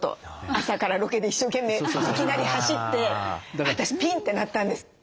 朝からロケで一生懸命いきなり走って私ピンってなったんです。